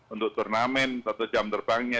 untuk turnamen satu jam terbangnya